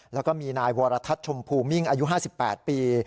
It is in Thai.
และก็มีนายวรศัพท์ชมภูมิงอายุ๕๘ปี